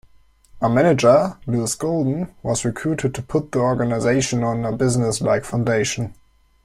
A manager, Lewis Golden, was recruited to put the organisation on a businesslike foundation.